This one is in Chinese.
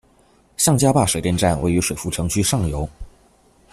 向家坝水电站位于水富城区上游。